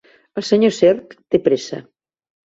El senyor Cerc té pressa.